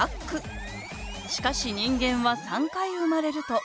「しかし人間は三回生まれると」